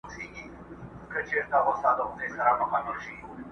هسي نه چي ستا په لاره کي اغزی سي!